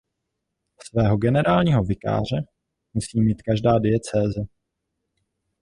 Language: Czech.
Svého generálního vikáře musí mít každá diecéze.